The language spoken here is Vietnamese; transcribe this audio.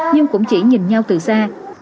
nhưng cũng chỉ nhìn nhau từ xa